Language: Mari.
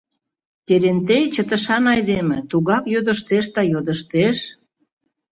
Терентей чытышан айдеме, тугак йодыштеш да йодыштеш.